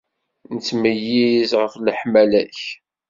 Nettmeyyiz ɣef leḥmala-k.